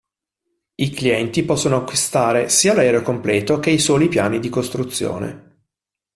I clienti possono acquistare sia l'aereo completo che i soli piani di costruzione.